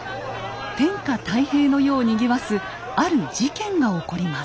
天下太平の世をにぎわすある事件が起こります。